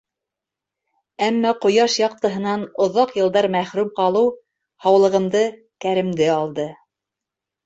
Әммә ҡояш яҡтыһынан оҙаҡ йылдар мәхрүм ҡалыу һаулығымды, кәремде алды.